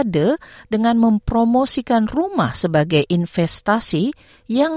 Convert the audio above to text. tapi mereka bukan sebabnya